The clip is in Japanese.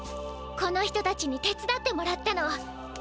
この人たちに手つだってもらったの。